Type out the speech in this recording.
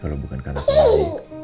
kalau bukan karena aku balik